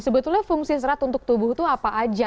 sebetulnya fungsi serat untuk tubuh itu apa aja